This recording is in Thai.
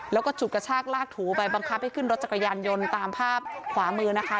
แล้วก็ฉุดกระชากลากถูไปบังคับให้ขึ้นรถจักรยานยนต์ตามภาพขวามือนะคะ